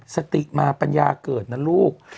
สติมาปัญญาเกิดนะลูก